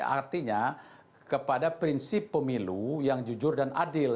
artinya kepada prinsip pemilu yang jujur dan adil